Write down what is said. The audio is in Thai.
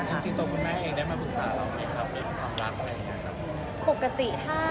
จริงตัวคุณแม่เองได้มาปรึกษาเราไหมครับเรื่องความรักอะไรอย่างนี้ครับ